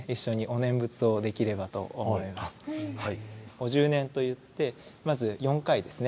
お十念と言ってまず４回ですね。